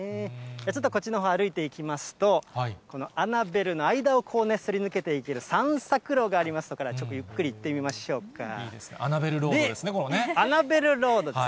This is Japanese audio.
ちょっとこっちのほう歩いていきますと、このアナベルの間を、こうすり抜けていける散策路がありますから、いいですね、アナベルロードアナベルロードです。